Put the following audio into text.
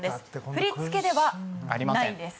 振り付けではないんです。